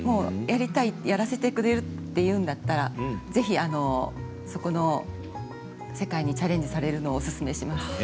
やりたい、やらせてくれるっていうんだったらぜひ、そこの世界にチャレンジされるのをおすすめします。